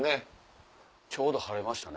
ちょうど晴れましたね。